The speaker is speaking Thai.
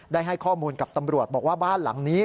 ให้ข้อมูลกับตำรวจบอกว่าบ้านหลังนี้